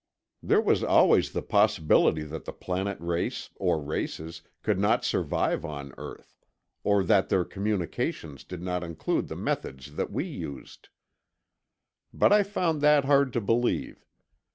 There was always the possibility that the planet race or races could not survive on earth, or that their communications did not include the methods that we used. But I found that hard to believe.